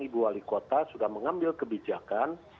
ibu wali kota sudah mengambil kebijakan